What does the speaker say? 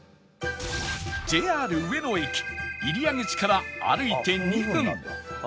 ＪＲ 上野駅入谷口から歩いて２分